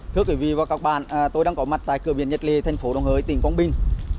thưa quý vị và các bạn tôi đang có mặt tại cửa biển nhật lê thành phố đồng hới tỉnh quảng bình